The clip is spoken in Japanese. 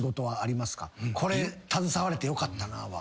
これ携われてよかったなは。